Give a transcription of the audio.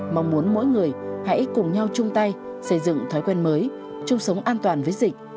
mong muốn mỗi người hãy cùng nhau chung tay xây dựng thói quen mới chung sống an toàn với dịch